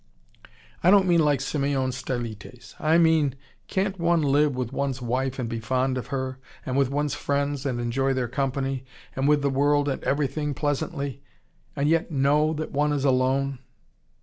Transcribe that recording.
"I don't mean like Simeon Stylites. I mean can't one live with one's wife, and be fond of her: and with one's friends, and enjoy their company: and with the world and everything, pleasantly: and yet KNOW that one is alone?